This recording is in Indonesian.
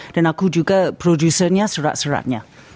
dan aku juga produsernya surat suratnya